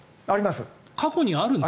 過去にあるんですか？